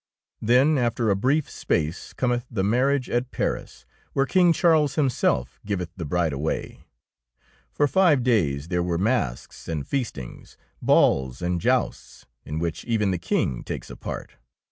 Then after a brief space cometh the marriage at Paris, where King Charles himself giveth the bride away. For five days there were masques and feast ings, balls and jousts, in which even 37 DEEDS OF DAKING the King takes a part.